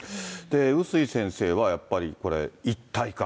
碓井先生はやっぱりこれ、一体化。